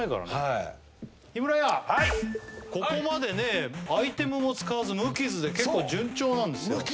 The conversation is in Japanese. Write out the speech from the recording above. ここまでねアイテムも使わず無傷で結構順調なんですよ